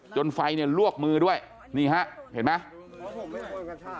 จนไฟลวกมือด้วยนี่เห็นไหม